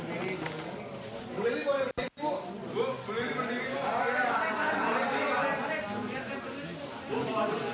sebelum nanti setelah ini ada sesi tanya jawab ya